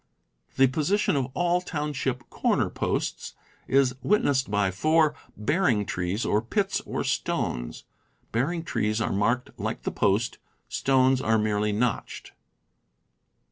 The position of all township corner posts is witnessed by four " bearing trees," or pits, or stones. Bearing trees are marked like the post; stones are merely notched.